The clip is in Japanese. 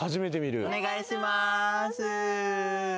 お願いします。